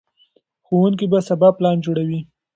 ښوونکي به سبا پلان جوړوي.